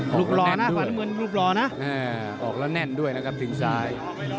ออกแล้วแน่นด้วยนะครับสิ่งซ้าย